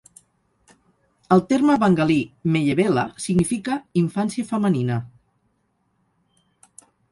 El terme bengalí "meyebela" significa "infància femenina".